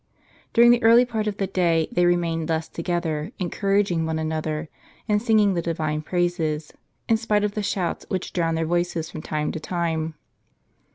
During the early part of the day they remained thus together encouraging one another, and singing the Divine praises, in spite of the shouts which drowned their voices from time to time.